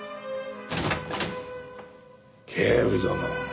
警部殿。